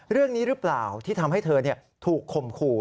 เรื่องนี้หรือเปล่าที่ทำให้เธอถูกข่มขู่